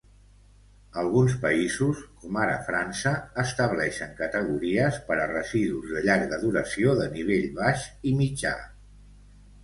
Alguns països, com ara França, estableixen categories per a residus de llarga duració de nivell baix i mitjà.